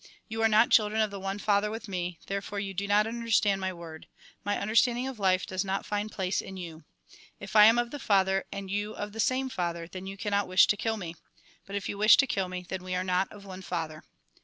You are not children of the one Father with me, therefore you do not understand my word ; my understanding of life does not find place in you. If I am of the Father, and you of the same Father, then you cannot wish to kill me. But if you wish to kill me, then we are not of one Father.